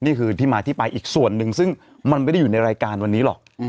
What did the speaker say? นี่คือที่มาที่ไปอีกส่วนหนึ่งซึ่งมันไม่ได้อยู่ในรายการวันนี้หรอก